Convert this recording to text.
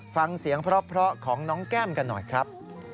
ฟังเสียงเพราะของน้องแก้มกันหน่อยครับ